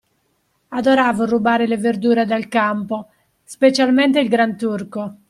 Adoravo rubare le verdure dal campo, specialmente il granturco.